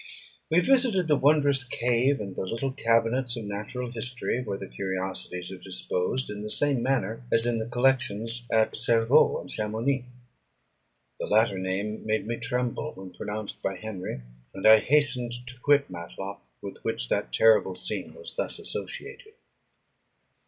We visited the wondrous cave, and the little cabinets of natural history, where the curiosities are disposed in the same manner as in the collections at Servox and Chamounix. The latter name made me tremble, when pronounced by Henry; and I hastened to quit Matlock, with which that terrible scene was thus associated.